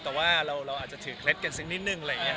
แต่ว่าเราอาจจะถือเคล็ดกันสักนิดนึงอะไรอย่างนี้